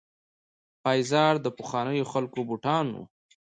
پایزار د پخوانیو خلکو بوټان وو.